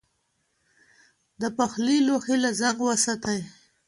د پخلي لوښي له زنګ وساتئ.